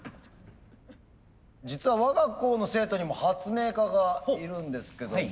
実は我が校の生徒にも発明家がいるんですけども。